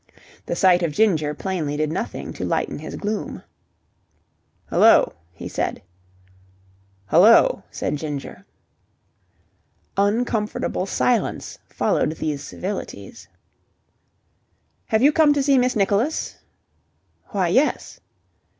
The sight of Ginger plainly did nothing to lighten his gloom. "Hullo!" he said. "Hullo!" said Ginger. Uncomfortable silence followed these civilities. "Have you come to see Miss Nicholas?" "Why, yes."